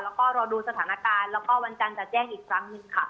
แล้วก็รอดูสถานการณ์แล้วก็วันจันทร์จะแจ้งอีกครั้งหนึ่งค่ะ